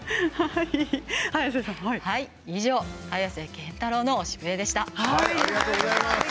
以上、早瀬憲太郎の「推しプレ！」でした。